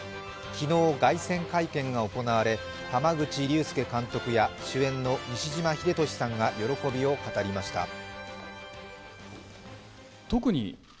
昨日、凱旋会見が行われ濱口竜介監督や主演の西島秀俊さんが喜びを語りました。